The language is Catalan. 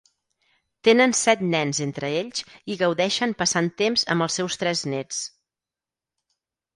Tenen set nens entre ells i gaudeixen passant temps amb els seus tres néts.